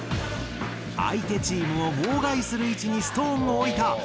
相手チームを妨害する位置にストーンを置いた。